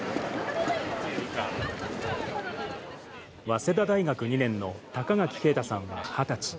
早稲田大学２年の高垣慶太さんは２０歳。